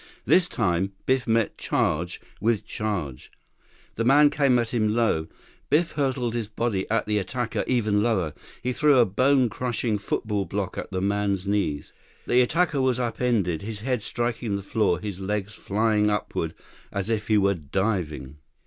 This time, Biff met charge with charge. The man came at him low. Biff hurled his body at the attacker even lower. He threw a bone crushing football block at the man's knees. The attacker was upended, his head striking the floor, his legs flying upward as if he were diving.